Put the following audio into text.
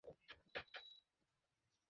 মাগী, তাের মরণ নাই না কি!